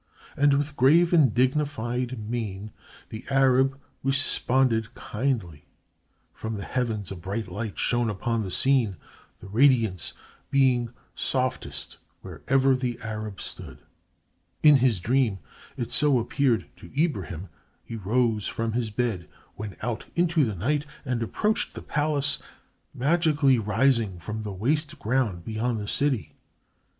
And with grave and dignified mien, the Arab responded kindly. From the heavens a bright light shone upon the scene, the radiance being softest wherever the Arab stood. In his dream, it so appeared to Ibrahim, he rose from his bed, went out into the night, and approached the palace magically rising from the waste ground beyond the city.